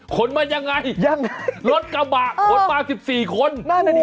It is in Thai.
ขนมันยังไงรถกระบะขนมา๑๔คนยังไง